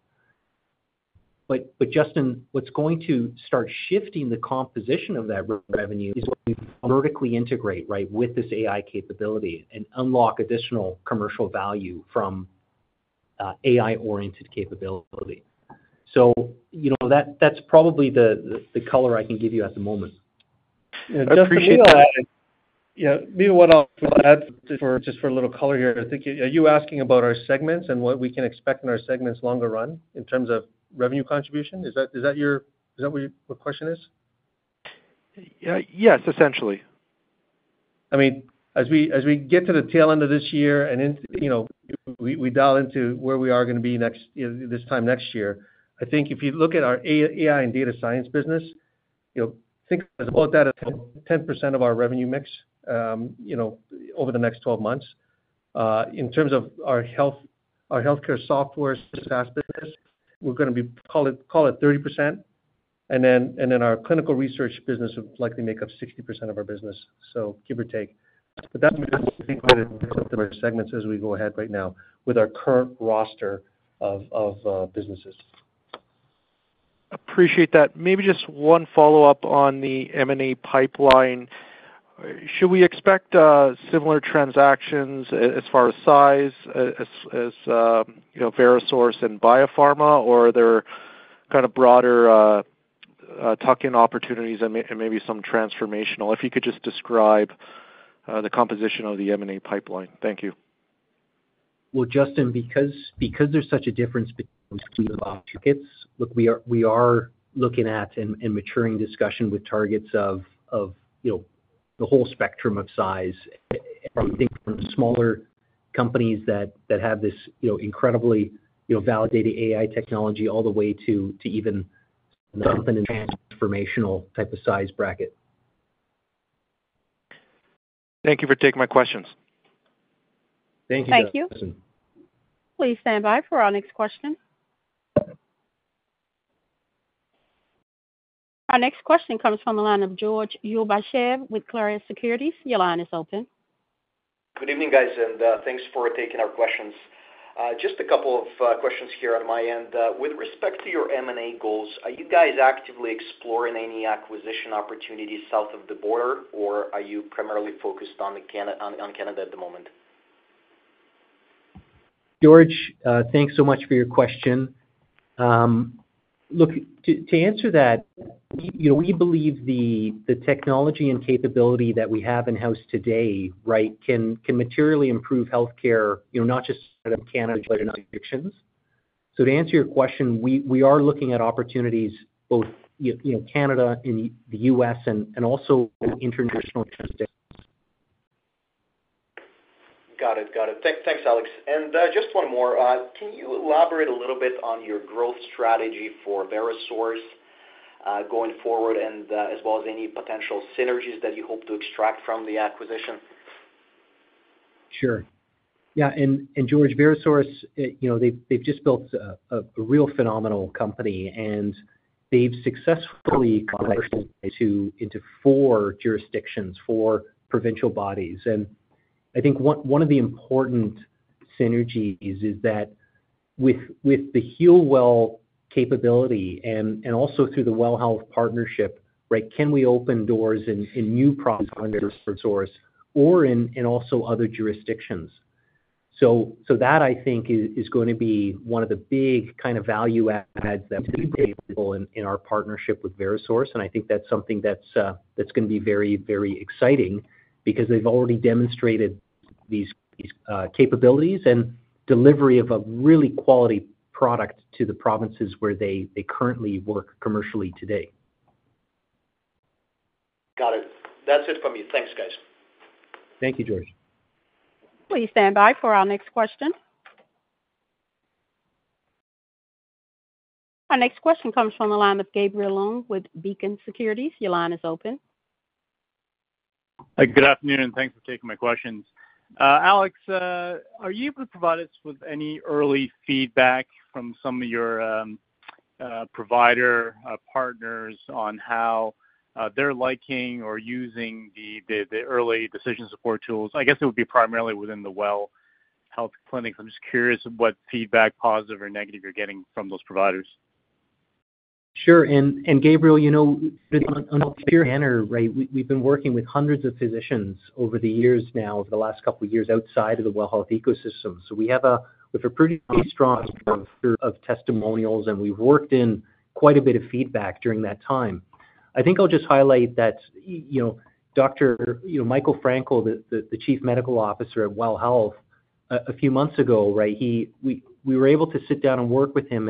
But Justin, what's going to start shifting the composition of that revenue is when you vertically integrate, right, with this AI capability and unlock additional commercial value from AI-oriented capability. So, you know, that's probably the color I can give you at the moment. I appreciate that. Yeah. Maybe what I'll add, for just a little color here, I think, are you asking about our segments and what we can expect in our segments longer run, in terms of revenue contribution? Is that, is that your - is that what your question is? Yes, essentially.... I mean, as we get to the tail end of this year and in, you know, we dial into where we are gonna be next, you know, this time next year, I think if you look at our AI and data science business, you'll think about that as 10% of our revenue mix, you know, over the next 12 months. In terms of our health, our healthcare software SaaS business, we're gonna be, call it, call it 30%. And then, and then our clinical research business would likely make up 60% of our business, so give or take. But that means segments as we go ahead right now with our current roster of, of, businesses. Appreciate that. Maybe just one follow-up on the M&A pipeline. Should we expect similar transactions as far as size, you know, VeroSource and BioPharma, or are there kind of broader tuck-in opportunities and maybe some transformational? If you could just describe the composition of the M&A pipeline. Thank you. Well, Justin, because there's such a difference between markets, look, we are looking at and maturing discussion with targets of, you know, the whole spectrum of size, everything from smaller companies that have this, you know, incredibly, you know, validated AI technology all the way to even transformational type of size bracket. Thank you for taking my questions. Thank you, Justin. Thank you. Please stand by for our next question. Our next question comes from the line of George Ulybyshev with Clarus Securities. Your line is open. Good evening, guys, and thanks for taking our questions. Just a couple of questions here on my end. With respect to your M&A goals, are you guys actively exploring any acquisition opportunities south of the border, or are you primarily focused on Canada at the moment? George, thanks so much for your question. Look, to answer that, we, you know, we believe the technology and capability that we have in house today, right, can materially improve healthcare, you know, not just in Canada, but in other jurisdictions. So to answer your question, we are looking at opportunities both, you know, Canada, in the US and also in international jurisdictions. Got it. Got it. Thanks, Alex. And just one more. Can you elaborate a little bit on your growth strategy for VeroSource going forward and as well as any potential synergies that you hope to extract from the acquisition? Sure. Yeah, and George, VeroSource, you know, they've just built a real phenomenal company, and they've successfully commercialized into four jurisdictions, four provincial bodies. And I think one of the important synergies is that with the HEALWELL capability and also through the WELL Health partnership, right, can we open doors in new provinces under VeroSource or in, and also other jurisdictions? So that, I think, is gonna be one of the big kind of value adds that we bring in our partnership with VeroSource. And I think that's something that's gonna be very, very exciting because they've already demonstrated these capabilities and delivery of a really quality product to the provinces where they currently work commercially today. Got it. That's it from me. Thanks, guys. Thank you, George. Please stand by for our next question. Our next question comes from the line of Gabriel Leung with Beacon Securities. Your line is open. Hi, good afternoon, and thanks for taking my questions. Alex, are you able to provide us with any early feedback from some of your provider partners on how they're liking or using the early decision support tools? I guess it would be primarily within the WELL Health clinic. I'm just curious what feedback, positive or negative, you're getting from those providers. Sure. And Gabriel, you know, on a higher manner, right, we've been working with hundreds of physicians over the years now, the last couple of years, outside of the WELL Health ecosystem. So we have a pretty strong set of testimonials, and we've worked in quite a bit of feedback during that time. I think I'll just highlight that, you know, Dr. Michael Frankel, the Chief Medical Officer of WELL Health, a few months ago, right, we were able to sit down and work with him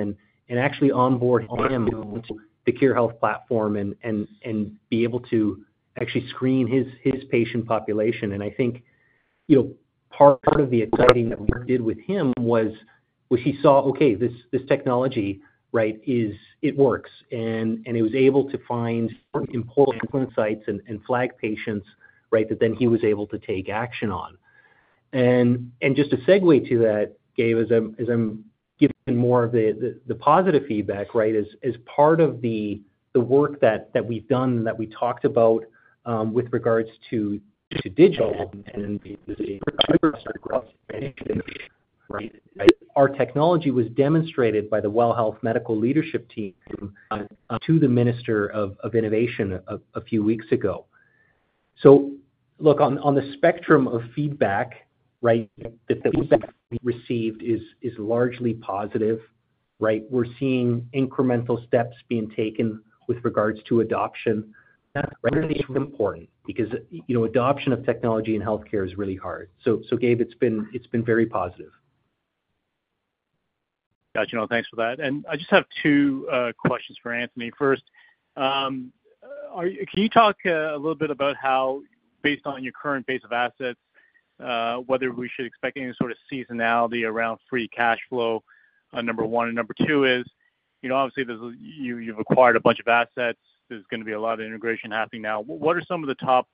and be able to actually screen his patient population. And I think, you know, part of the exciting that we did with him was he saw, okay, this technology, right, is. It works, and he was able to find important insights and flag patients, right, that then he was able to take action on. And just to segue to that, Gabe, as I'm giving more of the positive feedback, right, is part of the work that we've done and that we talked about with regards to digital and, right, our technology was demonstrated by the WELL Health Medical Leadership Team to the Minister of Innovation a few weeks ago. So look, on the spectrum of feedback, right, the feedback we received is largely positive, right? We're seeing incremental steps being taken with regards to adoption. That's really important because, you know, adoption of technology in healthcare is really hard. So, Gabe, it's been very positive.... Got it, you know, thanks for that. I just have two questions for Anthony. First, can you talk a little bit about how, based on your current base of assets, whether we should expect any sort of seasonality around free cash flow, number one? And number two is, you know, obviously, you've acquired a bunch of assets. There's gonna be a lot of integration happening now. What are some of the top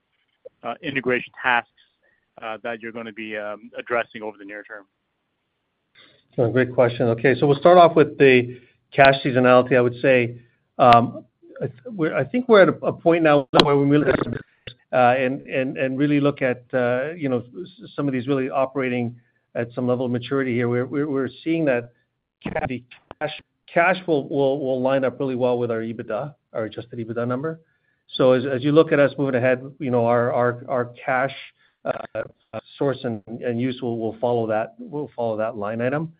integration tasks that you're gonna be addressing over the near term? So great question. Okay, so we'll start off with the cash seasonality. I would say, I think we're at a point now where we really have, and really look at, you know, some of these really operating at some level of maturity here. We're seeing that the cash will line up really well with our EBITDA, our adjusted EBITDA number. So as you look at us moving ahead, you know, our cash source and use will follow that line item.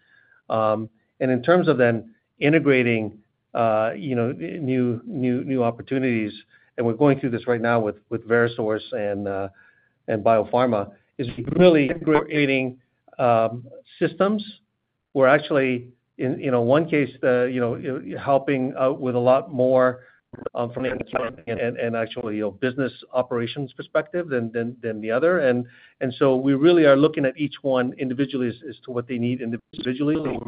And in terms of then integrating, you know, new opportunities, and we're going through this right now with VeroSource and BioPharma, is really creating systems where actually in one case, you know, helping out with a lot more from an and actually, you know, business operations perspective than the other. And so we really are looking at each one individually as to what they need individually,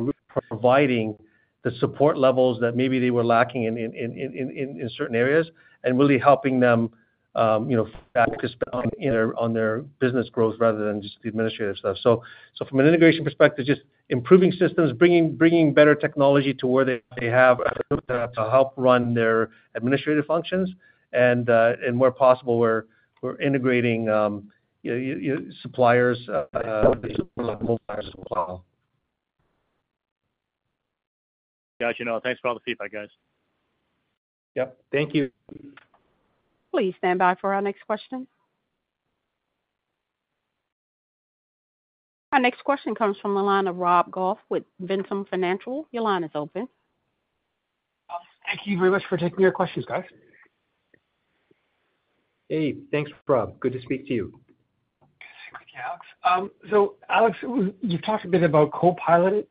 providing the support levels that maybe they were lacking in certain areas and really helping them, you know, focus on their business growth rather than just the administrative stuff. So from an integration perspective, just improving systems, bringing better technology to where they have to help run their administrative functions. And where possible, we're integrating suppliers as well. Got it, you know. Thanks for all the feedback, guys. Yep, thank you. Please stand by for our next question. Our next question comes from the line of Rob Goff with Ventum Financial. Your line is open. Thank you very much for taking your questions, guys. Hey, thanks, Rob. Good to speak to you. Yeah, Alex. So Alex, you've talked a bit about Co-Pilots,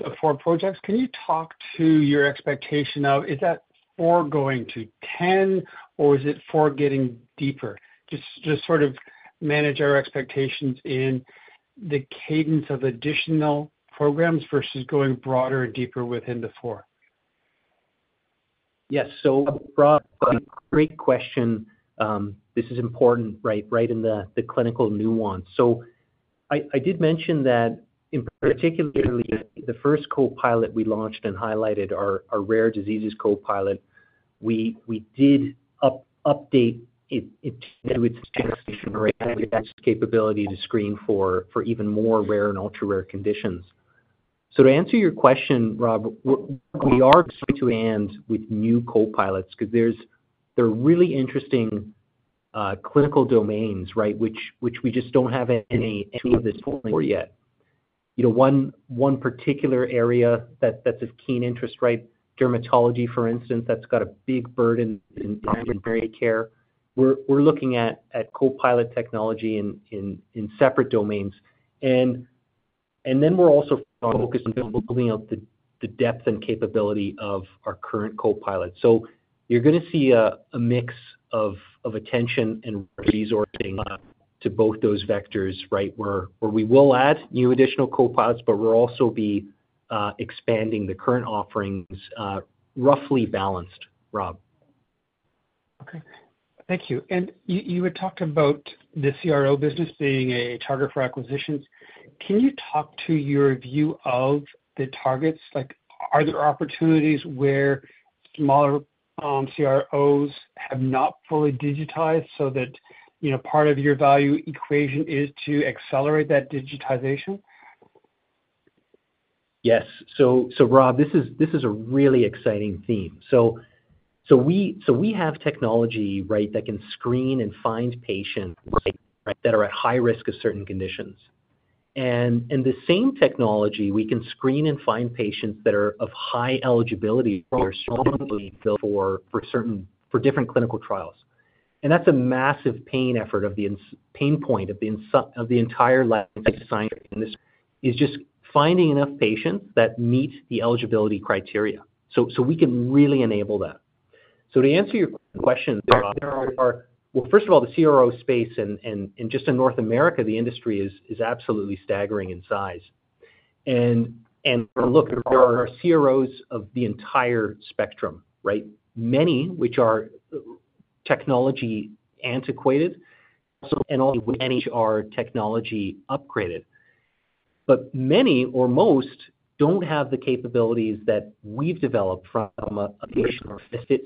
the four projects. Can you talk to your expectation of is that four going to 10, or is it four getting deeper? Just sort of manage our expectations in the cadence of additional programs versus going broader and deeper within the four. Yes. So Rob, great question. This is important, right, in the clinical nuance. So I did mention that in particularly the first Co-Pilot we launched and highlighted our Rare Disease Co-Pilot, we did update it to its transformation, right? That's capability to screen for even more rare and ultra-rare conditions. So to answer your question, Rob, we are to end with new Co-Pilots because there's... They're really interesting, clinical domains, right? Which we just don't have any of this yet. You know, one particular area that's of keen interest, right? Dermatology, for instance, that's got a big burden in primary care. We're looking at Co-Pilot technology in separate domains. And then we're also focused on building out the depth and capability of our current Co-Pilot. So you're gonna see a mix of attention and resourcing to both those vectors, right? Where we will add new additional Co-Pilots, but we'll also be expanding the current offerings, roughly balanced, Rob. Okay, thank you. And you, you had talked about the CRO business being a target for acquisitions. Can you talk to your view of the targets? Like, are there opportunities where smaller, CROs have not fully digitized so that, you know, part of your value equation is to accelerate that digitization? Yes. So, Rob, this is a really exciting theme. So, we have technology, right, that can screen and find patients that are at high risk of certain conditions. And in the same technology, we can screen and find patients that are of high eligibility for certain different clinical trials. And that's a massive pain point of the industry of the entire life sciences, is just finding enough patients that meet the eligibility criteria. So, we can really enable that. So to answer your question, there are, well, first of all, the CRO space and just in North America, the industry is absolutely staggering in size. And look, there are CROs of the entire spectrum, right? Many which are technology antiquated, so many are technology upgraded, but many or most don't have the capabilities that we've developed from a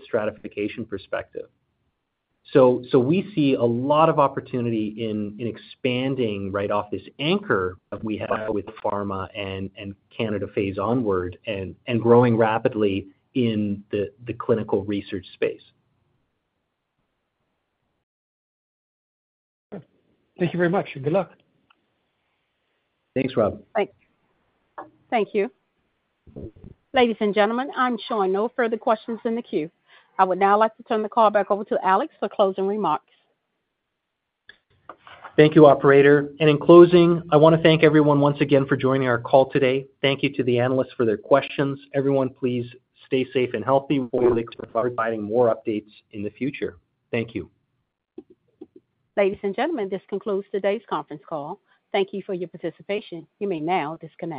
stratification perspective. So we see a lot of opportunity in expanding right off this anchor that we have with pharma and Canadian Phase Onward and growing rapidly in the clinical research space. Thank you very much, and good luck. Thanks, Rob. Thank you. Ladies and gentlemen, I'm showing no further questions in the queue. I would now like to turn the call back over to Alex for closing remarks. Thank you, operator. In closing, I want to thank everyone once again for joining our call today. Thank you to the analysts for their questions. Everyone, please stay safe and healthy. We look forward to providing more updates in the future. Thank you. Ladies and gentlemen, this concludes today's conference call. Thank you for your participation. You may now disconnect.